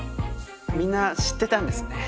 みんな知ってたんですね。